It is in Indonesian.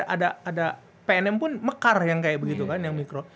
ada pnm pun mekar yang kayak begitu kan yang mikro